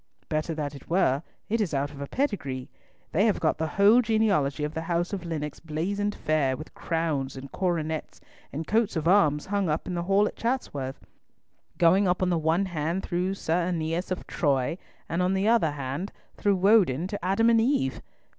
"Better that it were. It is out of a pedigree. They have got the whole genealogy of the house of Lennox blazoned fair, with crowns and coronets and coats of arms hung up in the hall at Chatsworth, going up on the one hand through Sir AEneas of Troy, and on the other hand through Woden to Adam and Eve!